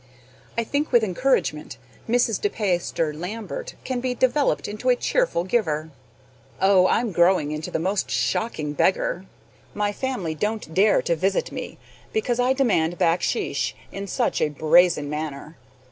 I think, with encouragement, Mrs. De Peyster Lambert can be developed into a cheerful giver. Oh, I'm growing into the most shocking beggar! My family don't dare to visit me, because I demand BAKSHISH in such a brazen manner.